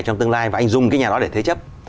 trong tương lai và anh dùng cái nhà đó để thế chấp